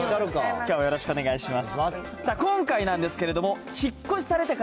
きょうもよろしくお願いします。